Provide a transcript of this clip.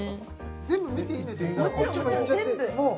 全部見ていいんですよね？